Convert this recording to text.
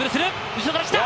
後ろから来た。